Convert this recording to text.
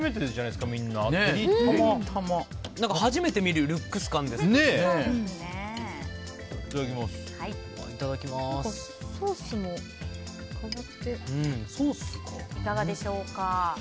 いかがでしょうか？